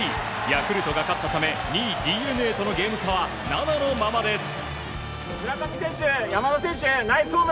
ヤクルトが勝ったため２位、ＤｅＮＡとのゲーム差は７のままです。